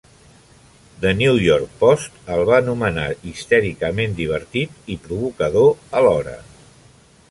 "The New York Post" el va anomenar "histèricament divertit i provocador alhora".